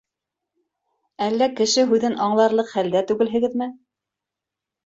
Әллә кеше һүҙен аңларлыҡ хәлдә түгелһегеҙме?